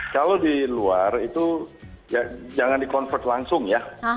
kalau di luar itu ya jangan di convert langsung ya